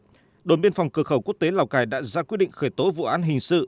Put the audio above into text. trước đó đồn biên phòng cửa khẩu quốc tế lào cai đã ra quyết định khởi tố vụ án hình sự